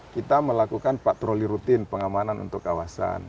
kita melakukan patroli rutin pengamanan untuk kawasan